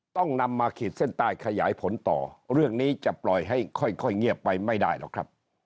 ต้องนำมาขีดเส้นใต้ขยายผลต่อเรื่องนี้จะปล่อยให้ค่อยเงียบไปไม่ได้หรอกครับ